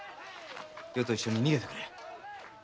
余と一緒に逃げてくれ。